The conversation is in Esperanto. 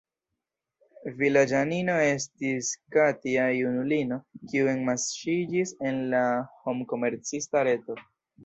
Vilaĝanino estis Katja, junulino, kiu enmaŝiĝis en la homkomercista reto.